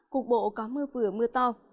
cục bộ có mưa vừa mưa to